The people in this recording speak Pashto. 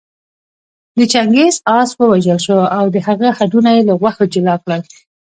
د چنګېز آس ووژل شو او د هغه هډونه يې له غوښو جلا کړل